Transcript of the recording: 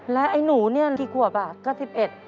แล้วไอ้หนูนี่ที่กวบก็๑๑บาท